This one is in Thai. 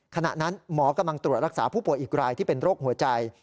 ขณะนั้นหมอกำลังตรวจรักษาผู้ป่วยอีกรายที่เป็นโรคหัวใจ